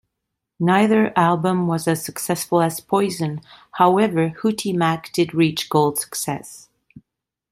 Neither album was as successful as "Poison"; however, Hootie Mack did reach Gold success.